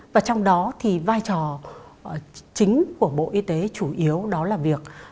và trong đó thì vai trò chính của bộ y tế chủ yếu đó là việc